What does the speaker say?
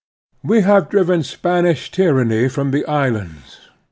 We have driven Spanish tyranny from t^ islands.